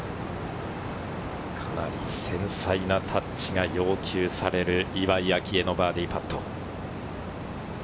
かなり繊細なタッチが要求される岩井明愛のバーディーパット。